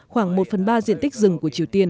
khoảng một phần ba diện tích rừng của triều tiên